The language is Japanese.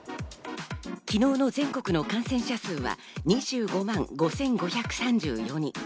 昨日の全国の感染者数は２５万５５３４人。